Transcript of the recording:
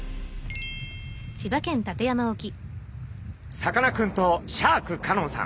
さかなクンとシャーク香音さん